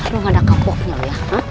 lu gak ada kepo aja ya